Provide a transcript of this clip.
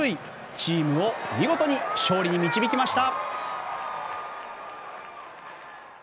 チームを見事に勝利に導きました。